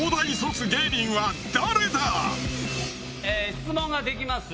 質問ができます